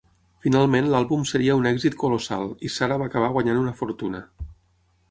Finalment l'àlbum seria un èxit colossal i Sara va acabar guanyant una fortuna.